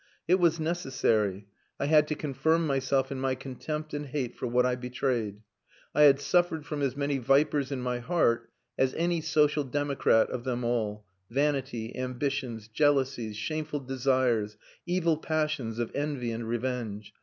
It was necessary. I had to confirm myself in my contempt and hate for what I betrayed. I have suffered from as many vipers in my heart as any social democrat of them all vanity, ambitions, jealousies, shameful desires, evil passions of envy and revenge.